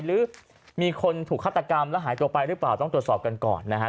หรือมีคนถูกฆาตกรรมแล้วหายตัวไปหรือเปล่าต้องตรวจสอบกันก่อนนะฮะ